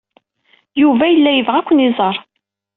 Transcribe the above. Yuba yella yebɣa ad ken-iẓer.